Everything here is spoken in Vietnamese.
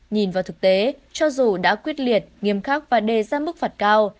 nhìn vào thực tế cho dù đã quyết liệt nghiêm khắc và đề ra mức phạt cao